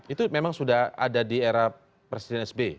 itu memang sudah ada di era presiden sb